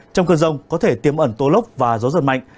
trong cơn rông có thể tiêm ẩn tô lốc và gió giật mạnh